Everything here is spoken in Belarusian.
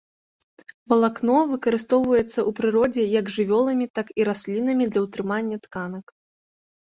Валакно выкарыстоўваецца ў прыродзе як жывёламі, так і раслінамі для ўтрымання тканак.